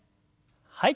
はい。